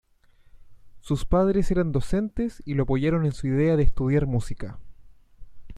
Sus padres eran docentes y lo apoyaron en su idea de estudiar música.